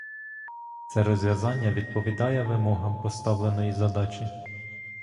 Це розв'язання відповідає вимогам поставленої задачі.